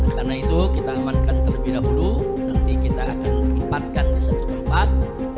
karena itu kita amankan terlebih dahulu nanti kita akan lipatkan di satu tempat